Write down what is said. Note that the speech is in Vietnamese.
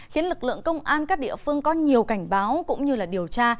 khiến lực lượng công an các địa phương có nhiều cảnh báo cũng như điều tra